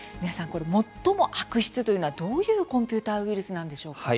これ最も悪質というのはどういうコンピューターウイルスなんでしょうか？